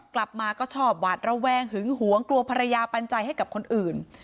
กลับมาก็ชอบหวาดระแวงหึงหวงกลัวภรรยาปัญญาให้กับคนอื่น